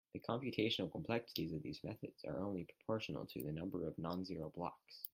The computational complexities of these methods are only proportional to the number of non-zero blocks.